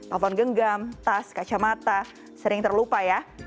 telepon genggam tas kacamata sering terlupa ya